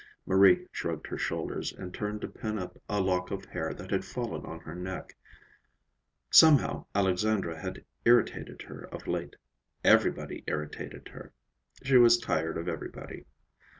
Marie shrugged her shoulders and turned to pin up a lock of hair that had fallen on her neck. Somehow Alexandra had irritated her of late. Everybody irritated her. She was tired of everybody.